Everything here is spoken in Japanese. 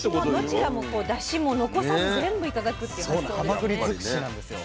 どちらもだしも残さず全部頂くっていう発想ですよね。